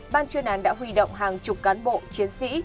ban chuyên án đã huy động hàng chục cán bộ chiến sĩ